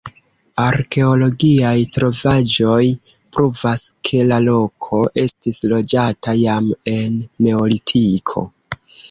Arkeologiaj trovaĵoj pruvas, ke la loko estis loĝata jam en Neolitiko.